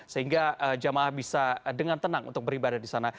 sehingga jemaah bisa dengan tenang untuk beribadah di sana